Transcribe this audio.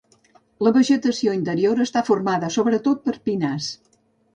La vegetació interior està formada sobretot per pinars.